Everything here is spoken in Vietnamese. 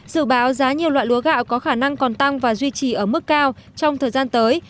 dự báo giá nhiều loại lúa gạo có khả năng còn tăng và duy trì ở mức cao trong thời gian tới